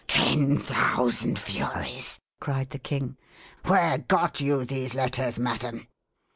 "Ten thousand furies!" cried the king. "Where got you these letters, madam?"